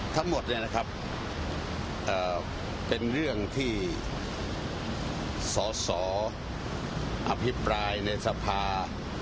ทั้งหมดเป็นเรื่องที่สอสออภิปรายในสภา